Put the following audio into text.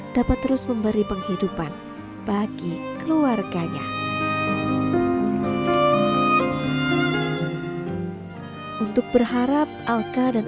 dapat terus memberi penghidupan bagi keluarganya untuk berharap alka dan